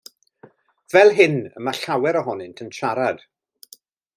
Fel hyn y mae llawer ohonynt yn siarad.